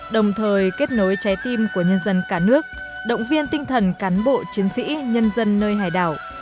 đồng thời kết nối trái tim của nhân dân cả nước động viên tinh thần cán bộ chiến sĩ nhân dân nơi hải đảo